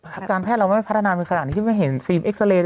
การแพทย์เราไม่พัฒนาไปขนาดนี้ที่ไม่เห็นฟิล์มเอ็กซาเรย์